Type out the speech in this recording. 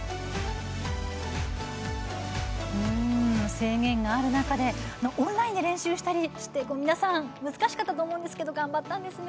制限がある中でオンラインで練習したりもして皆さん難しかったと思うんですけれども頑張ったんですね。